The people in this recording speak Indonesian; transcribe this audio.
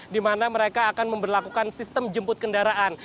di mana mereka akan memperlakukan sistem jemput kendaraan